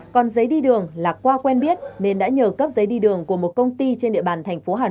còn giấy đi đường là qua quen biết nên đã nhờ cấp giấy đi đường của một công ty trên địa bàn thành phố hà nội